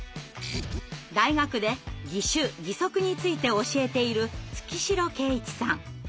大学で義手義足について教えている月城慶一さん。